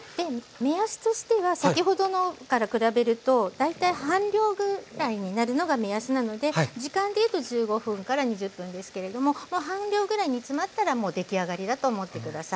目安としては先ほどのから比べると大体半量分ぐらいになるのが目安なので時間でいうと１５分から２０分ですけれどももう半量ぐらい煮詰まったらもう出来上がりだと思って下さい。